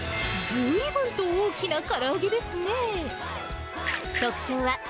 ずいぶんと大きなから揚げですね。